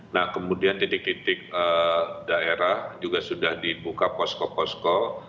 nah kemudian titik titik daerah juga sudah dibuka posko posko